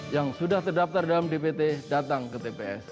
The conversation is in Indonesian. yang sudah terdaftar dalam dpt datang ke tps